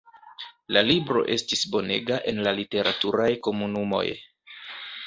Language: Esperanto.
La libro estis bonega en la literaturaj komunumoj.